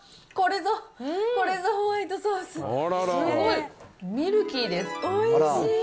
これぞ、これぞホワイトソース！